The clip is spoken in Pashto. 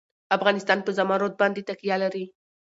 افغانستان په زمرد باندې تکیه لري.